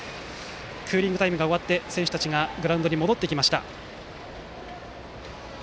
クーリングタイムが終わって選手たちがグラウンドに戻ってきました。